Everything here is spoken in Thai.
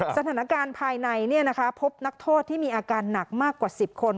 สถานการณ์ภายในพบนักโทษที่มีอาการหนักมากกว่า๑๐คน